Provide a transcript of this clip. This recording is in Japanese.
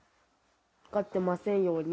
受かってませんように。